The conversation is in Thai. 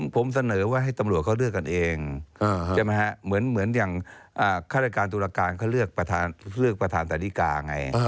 ผมเสนอว่าให้ตำรวจเขาเลือกกันเองใช่ไหมฮะเหมือนอย่างฆาตการตุรการเขาเลือกประธานสาธิกาไง